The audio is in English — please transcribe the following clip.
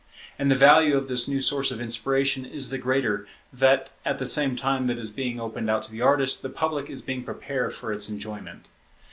And the value of this new source of inspiration is the greater that, at the same time that it is being opened out to the artist, the public is being prepared for its enjoyment.